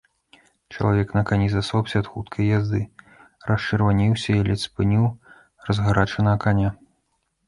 Чалавек на кані засопся ад хуткай язды, расчырванеўся і ледзь спыніў разгарачанага каня.